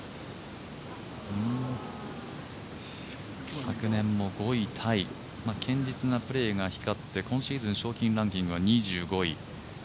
昨年も５位タイ堅実なプレーが光って今シーズン賞金ランキングは２５位。